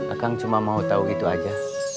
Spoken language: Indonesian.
akang cuma mau tau gitu aja